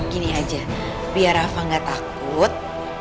gini aja biar rafa gak takut